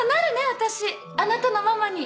私あなたのママに。